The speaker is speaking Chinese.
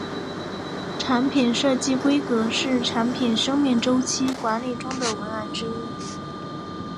产品设计规格是产品生命周期管理中的文件之一。